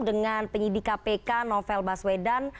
dengan penyidik kpk novel baswedan